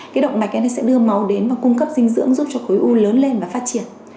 cái động mạch này sẽ đưa máu đến và cung cấp dinh dưỡng giúp cho khối u lớn lên và phát triển